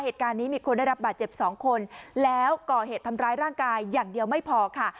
เหตุการณ์นี้มีคนได้รับบาดเจ็บสองคนแล้วก่อเหตุทำร้ายร่างกายอย่างเดียวไม่พอค่ะ